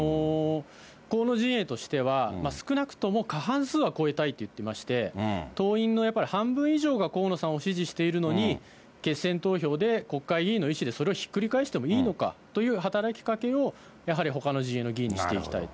河野陣営としては、少なくとも過半数は超えたいと言ってまして、党員のやっぱり半分以上が河野さんを支持しているのに、決選投票で国会議員の意思でそれをひっくり返してもいいのかという働きかけを、やはりほかの陣営の議員にしていきたいと。